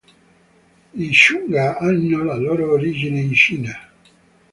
I "shunga" hanno la loro origine in Cina.